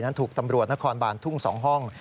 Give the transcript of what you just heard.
ถูกตำรวจนครบานทุ่ง๒ห้อง